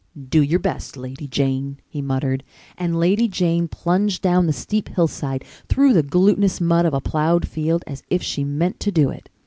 "Do your best, Lady Jane," he muttered, and Lady Jane plunged down the steep hillside, through the glutinous mud of a ploughed field as if she meant to do it.